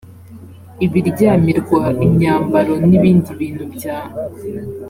ibiryamirwa imyambaro n ibindi bintu bya